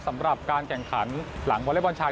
สำหรับการแข่งขันหลังวอเล็กบอลชาย